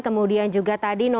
kemudian juga tadi nominal